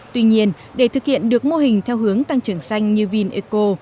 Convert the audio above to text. tuy nhiên để thực hiện được mô hình theo hướng tăng trưởng xanh như vineco